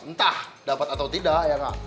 entah dapat atau tidak ya